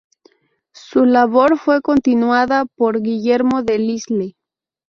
Su labor fue continuada por Guillermo Delisle.